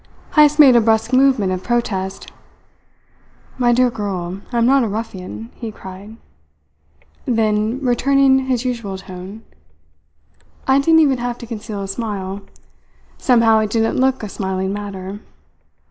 Heyst made a brusque movement of protest "My dear girl, I am not a ruffian," he cried. Then, returning to his usual tone: "I didn't even have to conceal a smile. Somehow it didn't look a smiling matter.